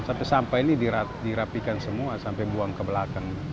sampai ini dirapikan semua sampai buang buang